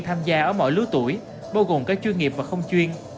tham gia ở mọi lứa tuổi bao gồm các chuyên nghiệp và không chuyên